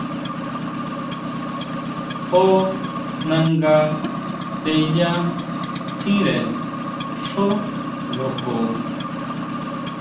Jó nanga teyà tjínre xjó lojo.